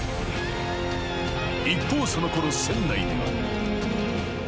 ［一方そのころ船内では］